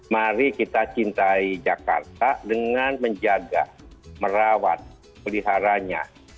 mari kita cintai jakarta dengan menjaga merawat peliharanya